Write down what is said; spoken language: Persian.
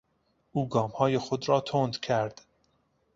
او گامهای خود را تند کرد.